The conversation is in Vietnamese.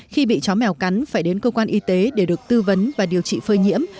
khi bị chó mèo cắn phải đến cơ quan y tế để được tư vấn và điều trị phơi nhiễm